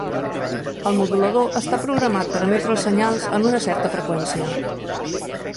El modulador està programat per emetre els senyals en una certa freqüència.